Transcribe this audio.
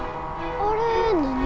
あれ何？